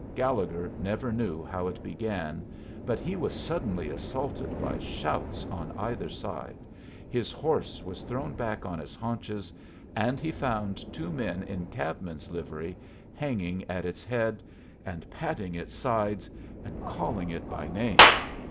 Gallegher never knew how it began, but he was suddenly assaulted by shouts on either side, his horse was thrown back on its haunches, and he found two men in cabmen's livery hanging at its head, and patting its sides, and calling it by name.